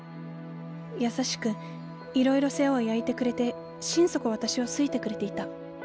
優しくいろいろ世話を焼いてくれて心底私を好いてくれていた。